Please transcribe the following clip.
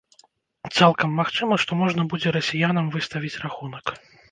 Цалкам магчыма, што можна будзе расіянам выставіць рахунак.